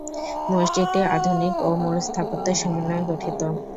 মসজিদটি আধুনিক ও মুর স্থাপত্যের সমন্বয়ে গঠিত।